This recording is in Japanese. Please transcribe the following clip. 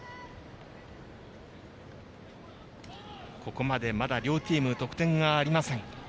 ここまで、まだ両チーム得点がありません。